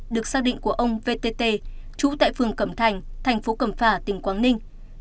được xác định của ông vtt trú tại phường cẩm thành thành phố cẩm phả tỉnh quảng ninh